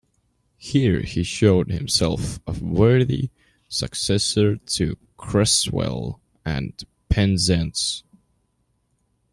Here he showed himself a worthy successor to Cresswell and Penzance.